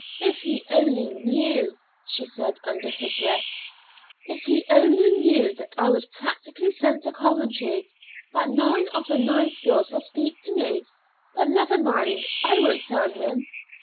"If he only knew," she said under her breath "if he only knew that I was practically sent to Coventry that none of the nice girls will speak to me. But never mind; I won't tell him.